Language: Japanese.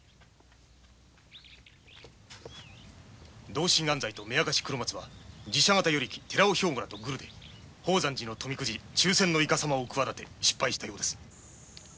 同心安西と目明かし黒松は寺社方与力寺尾兵吾らとグルで宝山寺の富くじ抽選のイカサマを失敗したようです。